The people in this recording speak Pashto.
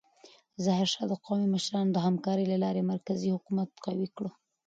ظاهرشاه د قومي مشرانو د همکارۍ له لارې مرکزي حکومت قوي کړ.